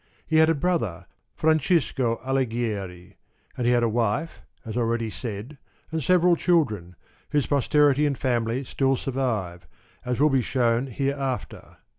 He had a brother, Francisco Alighieri ; he had a wife, as already said, and several children, whose posterity and family still survive, as will be shewn here after.